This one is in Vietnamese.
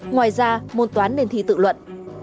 ngoài ra môn toán nên thi tự luận